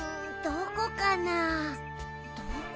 どこかな？